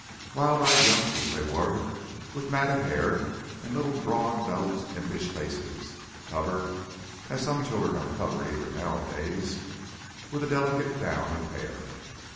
Wild eyed youngsters they were, with matted hair and little broad nosed impish faces, covered (as some children are covered even nowadays) with a delicate down of hair.